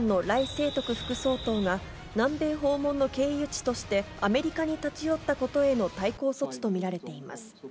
清徳副総統が、南米訪問の経由地として、アメリカに立ち寄ったことへの対抗措置と見られています。